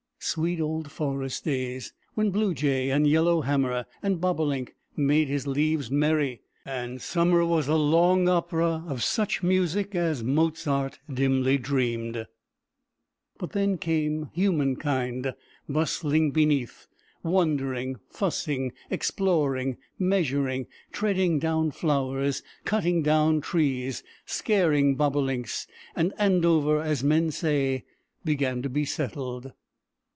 Sweet old forest days! when blue jay, and yellowhammer, and bobolink made his leaves merry, and summer was a long opera of such music as Mozart dimly dreamed. But then came human kind bustling beneath; wondering, fussing, exploring, measuring, treading down flowers, cutting down trees, scaring bobolinks and Andover, as men say, began to be settled.